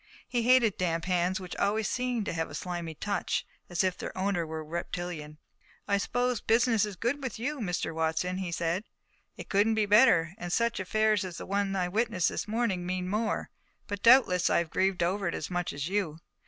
He hated damp hands, which always seemed to him to have a slimy touch, as if their owner were reptilian. "I suppose business is good with you, Mr. Watson," he said. "It couldn't be better, and such affairs as the one I witnessed this morning mean more. But doubtless I have grieved over it as much as you.